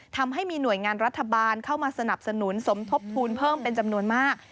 ทำให้มีหน่วยงานรัฐบาลเข้ามาสนับสนุนสมทบทุนเพิ่มเป็นจำนวนมาก